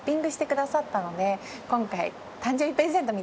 今回。